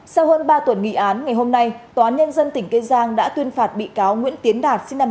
sau hơn ba tuần nghị án ngày hôm nay tòa án nhân dân tỉnh kiên giang đã tuyên phạt bị cáo nguyễn tiến đạt sinh năm một nghìn chín trăm tám